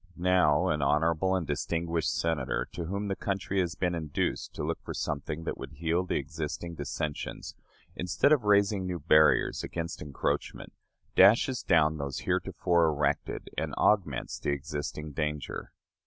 Now, an honorable and distinguished Senator, to whom the country has been induced to look for something that would heal the existing dissensions, instead of raising new barriers against encroachment, dashes down those heretofore erected and augments the existing danger.